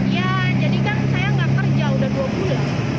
ya jadi kan saya nggak kerja udah dua bulan